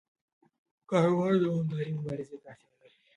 کاروبار دوامدارې مبارزې ته اړتیا لري.